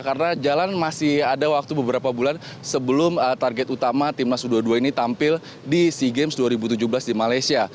karena jalan masih ada waktu beberapa bulan sebelum target utama timnas u dua puluh dua ini tampil di sea games dua ribu tujuh belas di malaysia